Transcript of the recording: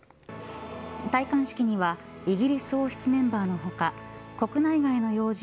戴冠式にはイギリス王室メンバーの他国内外の要人